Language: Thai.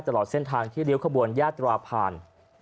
ตลอดเส้นทางที่ริ้วขบวนยาตราผ่าน